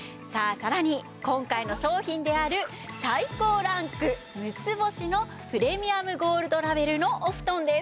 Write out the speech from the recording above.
さらに今回の商品である最高ランク６つ星のプレミアムゴールドラベルのお布団です！